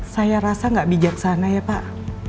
saya rasa nggak bijaksana ya pak